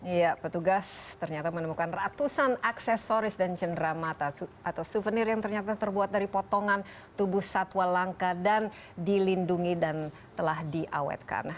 iya petugas ternyata menemukan ratusan aksesoris dan cendera mata atau souvenir yang ternyata terbuat dari potongan tubuh satwa langka dan dilindungi dan telah diawetkan